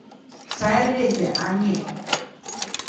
Сай рвезе, ане...